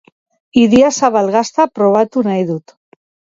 Idiazabal gazta probatu nahi dut.